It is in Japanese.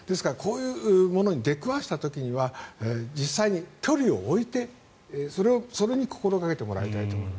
ですからこういうものに出くわした時には実際に距離を置いてそれを心掛けてもらいたいと。